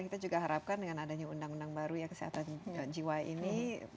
kita juga harapkan dengan adanya undang undang baru ya kesehatan jiwa ini